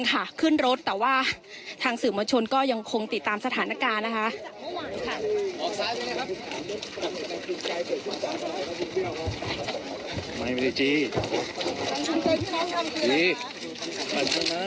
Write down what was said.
ค่ะขึ้นรถแต่ว่าทางสื่อมวลชนก็ยังคงติดตามสถานการณ์นะคะ